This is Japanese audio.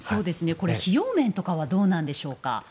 費用面とかはどうなんでしょうか？